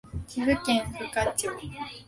岐阜県富加町